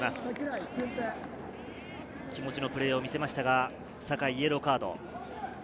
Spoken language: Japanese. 気持ちのプレーを見せましたが坂井はイエローカード。